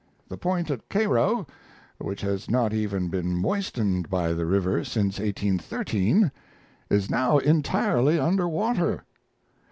The point at Cairo, which has not even been moistened by the river since 1813, is now entirely under water.